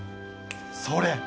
それ！